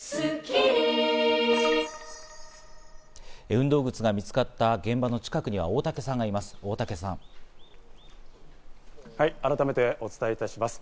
運動靴が見つかった現場の近くには大竹さんがいます。